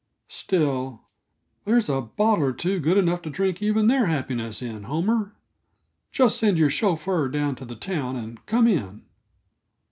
Still, there's a bottle or two good enough to drink even their happiness in, Homer. Just send your chauffeur down to the town, and come in."